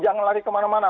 jangan lari kemana mana